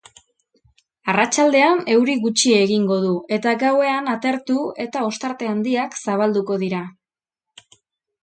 Arratsaldean euri gutxi egingo du eta gauean atertu eta ostarte handiak zabalduko dira.